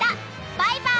バイバイ。